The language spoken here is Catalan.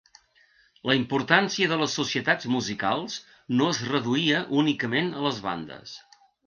La importància de les societats musicals no es reduïa únicament a les bandes.